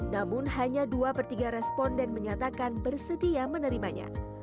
namun hanya dua per tiga responden menyatakan bersedia menerimanya